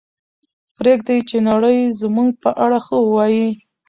پرېږدئ چې نړۍ زموږ په اړه ښه ووایي.